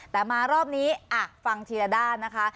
แต่มารอบนี้ฟังทีละด้านนะคะ